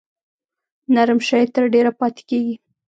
نرم شی تر ډیره پاتې کیږي.